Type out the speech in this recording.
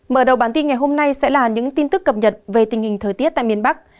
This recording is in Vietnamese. mở đầu bản tin ngày hôm nay sẽ là những tin tức cập nhật về tình hình thời tiết tại miền bắc